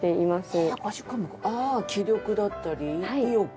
ああ「気力」だったり「意欲」。